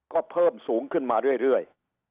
ก็เพิ่มสูงขึ้นมาเรื่อย